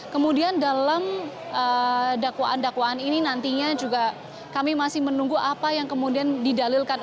kemudian dalam dakwaan dakwaan ini nantinya juga kami masih menunggu apa yang kemudian didalilkan